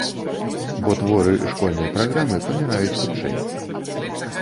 Бо творы школьнай праграмы паміраюць хутчэй.